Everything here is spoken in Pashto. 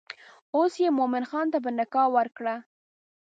اوس یې مومن خان ته په نکاح ورکړه.